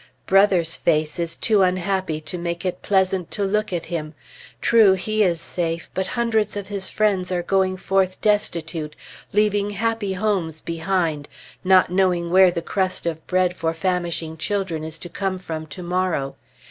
Brother's face is too unhappy to make it pleasant to look at him. True, he is safe; but hundreds of his friends are going forth destitute, leaving happy homes behind, not knowing where the crust of bread for famishing children is to come from to morrow.